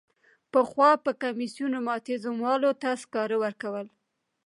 پخوا به کمیسیون رماتیزم والاوو ته سکاره ورکول.